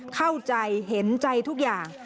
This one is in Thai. เข้าใจเห็นใจทุกอย่าง